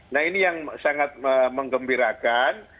nah ini yang sangat mengembirakan